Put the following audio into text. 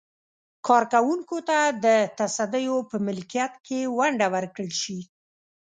کارکوونکو ته د تصدیو په ملکیت کې ونډه ورکړل شي.